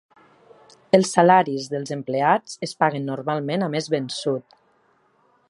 Els salaris dels empleats es paguen normalment a mes vençut.